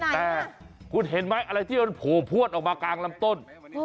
แต่คุณเห็นไหมอะไรที่มันโผล่พวดออกมากลางลำต้น